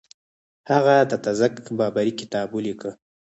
هغه د تزک بابري کتاب ولیکه.